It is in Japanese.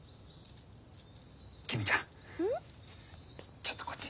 ちょっとこっち。